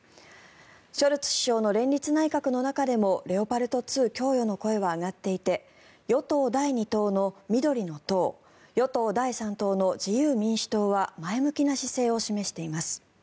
ショルツ首相の連立内閣の中でもレオパルト２供与の声は上がっていて与党第２党の緑の党与党第３党の自由民主党は前向きな姿勢を示しています。